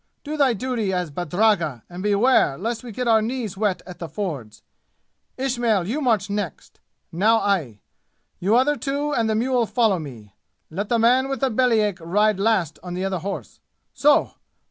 Do thy duty as badragga and beware lest we get our knees wet at the fords! Ismail, you march next. Now I. You other two and the mule follow me. Let the man with the belly ache ride last on the other horse. So!